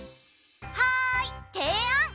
はいていあん！